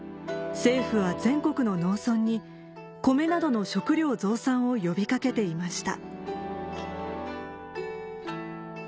政府は全国の農村にコメなどの食糧増産を呼び掛けていました